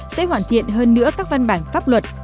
sẽ hoàn thiện hơn nữa các văn bản pháp luật